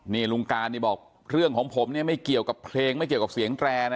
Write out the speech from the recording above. นี่ลุงการนี่บอกเรื่องของผมเนี่ยไม่เกี่ยวกับเพลงไม่เกี่ยวกับเสียงแตรนะ